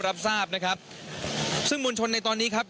รับทราบนะครับซึ่งมวลชนในตอนนี้ครับ